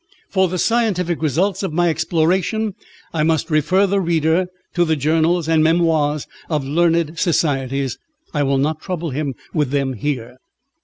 For the scientific results of my exploration I must refer the reader to the journals and memoirs of learned societies. I will not trouble him with them here.